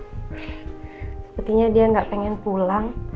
sepertinya dia nggak pengen pulang